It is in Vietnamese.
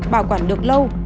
bảo quản được lâu